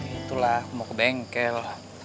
itulah mau ke bengkel